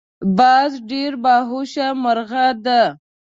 باز ډیر باهوشه مرغه دی